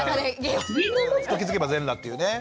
気付けば全裸っていうね。